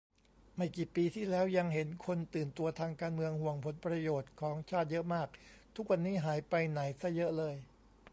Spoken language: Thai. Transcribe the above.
ไม่กี่ปีที่แล้วยังเห็นคนตื่นตัวทางการเมือง ห่วงผลประโยชน์ของชาติเยอะมาก ทุกวันนี้หายไปไหนซะเยอะเลย